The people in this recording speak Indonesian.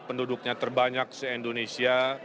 penduduknya terbanyak se indonesia